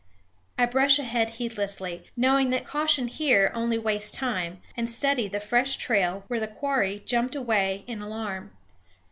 I brush ahead heedlessly, knowing that caution here only wastes time, and study the fresh trail where the quarry jumped away in alarm.